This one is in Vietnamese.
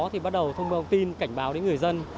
thì bắt đầu thông báo tin cảnh báo đến người dân